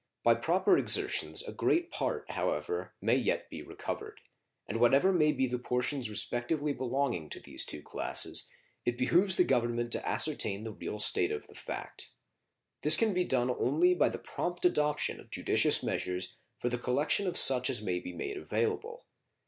By proper exertions a great part, however, may yet be recovered; and what ever may be the portions respectively belonging to these two classes, it behooves the Government to ascertain the real state of the fact. This can be done only by the prompt adoption of judicious measures for the collection of such as may be made available.